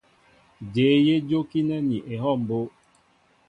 Jéé yé jókínέ ní ehɔw mbó.